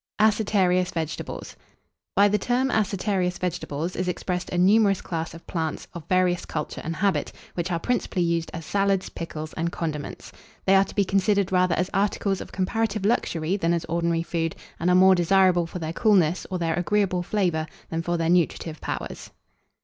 ACETARIOUS VEGETABLES. By the term Acetarious vegetables, is expressed a numerous class of plants, of various culture and habit, which are principally used as salads, pickles, and condiments. They are to be considered rather as articles of comparative luxury than as ordinary food, and are more desirable for their coolness, or their agreeable flavour, than for their nutritive powers.